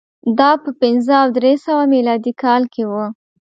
دا په پنځه او درې سوه میلادي کال کې و